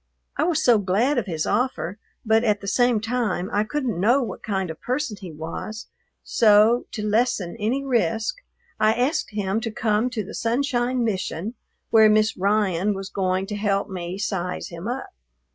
I was so glad of his offer, but at the same time I couldn't know what kind of person he was; so, to lessen any risk, I asked him to come to the Sunshine Mission, where Miss Ryan was going to help me "size him up."